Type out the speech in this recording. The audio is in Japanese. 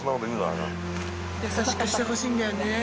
優しくしてほしいんだよね。